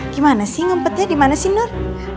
gimana sih ngumpetnya dimana sih nur